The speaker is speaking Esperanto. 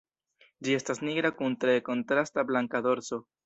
Ĝi estas nigra kun tre kontrasta blanka dorso.